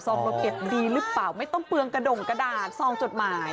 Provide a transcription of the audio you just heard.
เราเก็บดีหรือเปล่าไม่ต้องเปลืองกระดงกระดาษซองจดหมาย